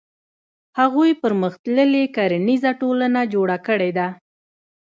هغوی پرمختللې کرنیزه ټولنه جوړه کړې ده.